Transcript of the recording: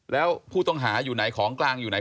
แล้วผู้ต้องหาอยู่ไหนของกลางอยู่ไหน